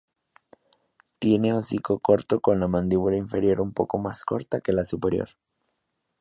Tiene hocico corto con la mandíbula inferior un poco más corta que la superior.